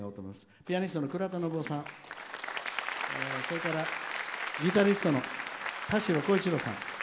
ピアニストの倉田信雄さんギタリストの田代耕一郎さん